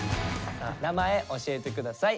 さあ名前教えてください。